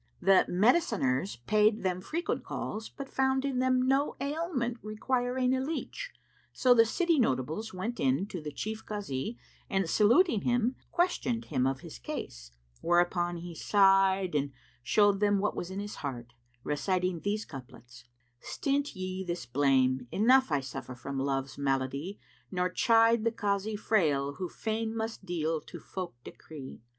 The mediciners paid them frequent calls, but found in them no ailment requiring a leach: so the city notables went in to the Chief Kazi and saluting him, questioned him of his case; whereupon he sighed and showed them that was in his heart, reciting these couplets, "Stint ye this blame; enough I suffer from Love's malady * Nor chide the Kazi frail who fain must deal to folk decree!